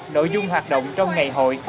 nội dung hoạt động trong ngày hội